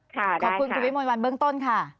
ขอบคุณคุณวิมวลวันเบื้องต้นค่ะ